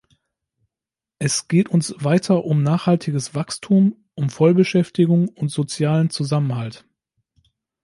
Es geht uns weiter um nachhaltiges Wachstum, um Vollbeschäftigung und sozialen Zusammenhalt.